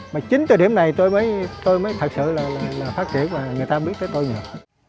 mà chính từ điểm này tôi mới thật sự là phát triển và người ta biết tới tôi nhiều